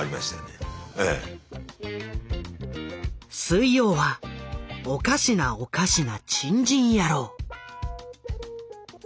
水曜は「おかしなおかしな珍人野郎」。